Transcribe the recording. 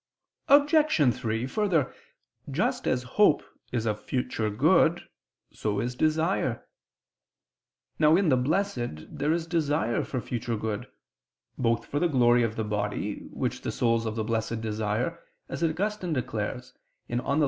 Obj. 3: Further, just as hope is of future good, so is desire. Now in the Blessed there is desire for future good; both for the glory of the body, which the souls of the Blessed desire, as Augustine declares (Gen. ad lit.